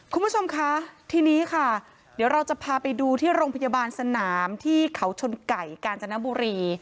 คุณผู้ชมคะทีนี้ค่ะเดี๋ยวเราจะพาไปดูที่โรงพยาบาลสนามที่เขาชนไก่กาญจนบุรี